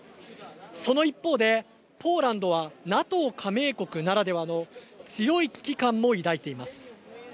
その一方でポーランドはＮＡＴＯ加盟国ならではの強い危機感も抱いています。